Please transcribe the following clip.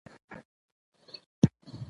ناروغ د مناسبې پاملرنې له امله ښه شو